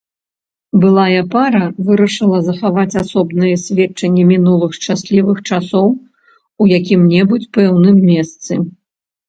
Былая пара вырашыла захаваць асобныя сведчанні мінулых шчаслівых часоў у якім-небудзь пэўным месцы.